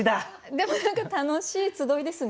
でも何か楽しい集いですね。